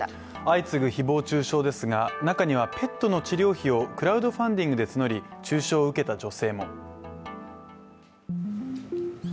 相次ぐ誹謗中傷ですが中にはペットの治療費をクラウドファンディングで募り、中傷を受けた女性も。